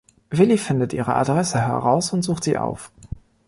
Willi findet ihre Adresse heraus und sucht sie auf.